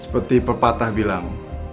seperti pepatah bilang